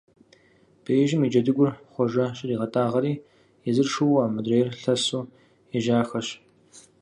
Беижьым и джэдыгур Хъуэжэ щригъэтӀагъэри, езыр шууэ, мыдрейр лъэсу ежьахэщ.